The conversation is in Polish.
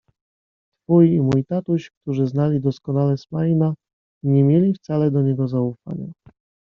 Twój i mój tatuś, którzy znali doskonale Smaina, nie mieli wcale do niego zaufania.